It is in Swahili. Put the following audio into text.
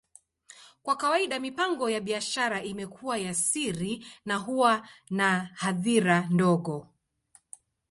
Kwa kawaida, mipango ya biashara imekuwa ya siri na huwa na hadhira ndogo.